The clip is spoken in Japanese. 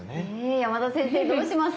山田先生どうします？